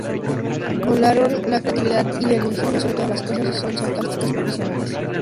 Valoran la creatividad y el ingenio sobre todas las cosas y son sarcásticos profesionales.